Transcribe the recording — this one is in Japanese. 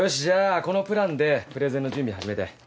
じゃあこのプランでプレゼンの準備始めて。